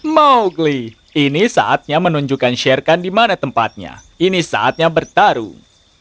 mowgli ini saatnya menunjukkan sherkan di mana tempatnya ini saatnya bertarung